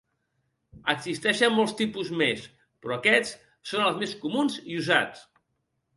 Existeixen molts tipus més, però aquests són els més comuns i usats.